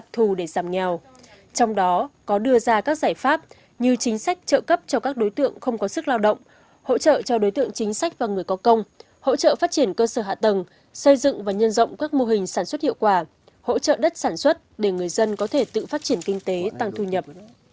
thu để giảm nghèo trong đó có đưa ra các giải pháp như chính sách trợ cấp cho các đối tượng không có sức lao động hỗ trợ cho đối tượng chính sách và người có công hỗ trợ phát triển cơ sở hạ tầng xây dựng và nhân rộng các mô hình sản xuất hiệu quả hỗ trợ đất sản xuất để người dân có thể tự phát triển kinh tế tăng thu nhập